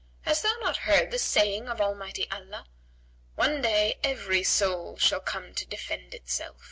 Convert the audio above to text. Hast thou not heard the saying of Almighty Allah?, 'One day, every soul shall come to defend itself.'"